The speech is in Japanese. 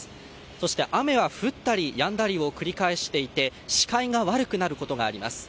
そして、雨は降ったりやんだりを繰り返していて視界が悪くなることがあります。